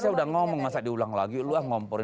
tadi udah ngomong masa diulang lagi luah ngomporin